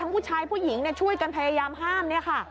ว่าผู้ชายผู้หญิงช่วยกันพยายามห้าม